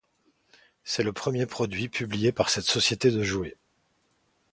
C'est le premier produit publié par cette société de jouets.